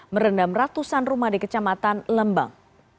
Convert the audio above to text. merendam ratusan rumah di kecamatan lembang